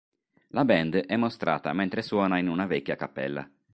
La band è mostrata mentre suona in una vecchia cappella.